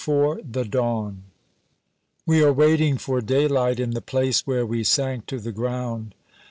XXIV The Dawn WE are waiting for daylight in the place where we sank to the ground.